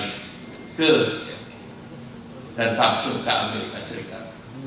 ke jepang dan samsung ke amerika serikat